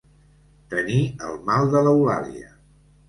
Tenir el mal de l'Eulàlia.